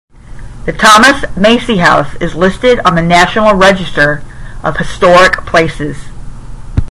The Thomas Massey House is listed on the National Register of Historic Places.